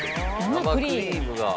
生クリームが。